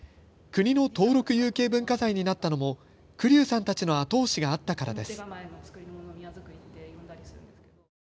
国の登録有形文化財になったのも栗生さんたちの後押しがあったからです。